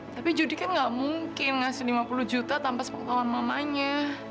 tapi jody kan gak mungkin ngasih lima puluh juta tanpa sepengtawan mamanya